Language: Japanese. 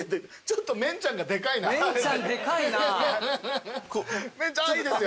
メンちゃんあいいですよ